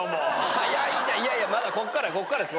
早いないやいやまだこっからです。